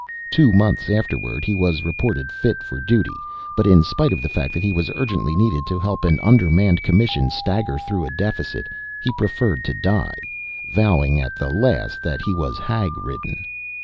Two months afterward he was reported fit for duty, but, in spite of the fact that he was urgently needed to help an undermanned Commission stagger through a deficit, he preferred to die; vowing at the last that he was hag ridden.